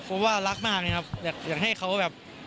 เพราะว่ารักมากเลยครับอยากให้เขาแบบ